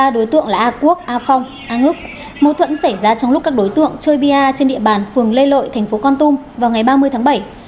ba đối tượng là a quốc a phong a ngức mâu thuẫn xảy ra trong lúc các đối tượng chơi pa trên địa bàn phường lê lội tp con tum vào ngày ba mươi tháng bảy